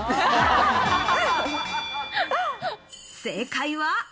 正解は。